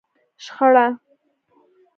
شخړه